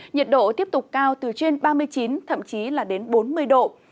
nhiệt độ tiếp tục cao từ trên ba mươi chín thậm chí là đến bốn mươi độ